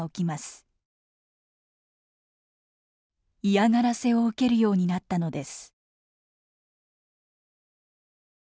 嫌がらせを受けるようになったのです。